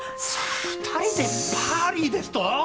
２人でパーリーですと！